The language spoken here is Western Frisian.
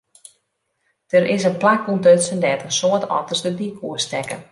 Der is in plak ûntdutsen dêr't in soad otters de dyk oerstekke.